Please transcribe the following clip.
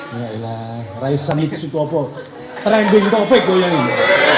ya allah raisan itu apa trending topic goyang ini